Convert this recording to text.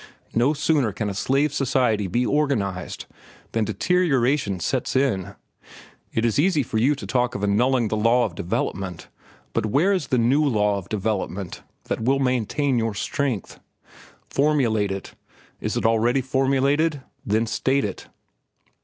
No sooner can a slave society be organized than deterioration sets in. It is easy for you to talk of annulling the law of development, but where is the new law of development that will maintain your strength? Formulate it. Is it already formulated? Then state it."